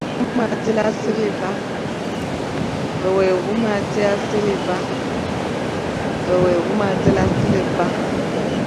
Ve wé huma dia sighle va,